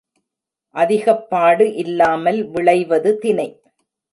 அதிகப் பாடு இல்லாமல் விளைவது தினை.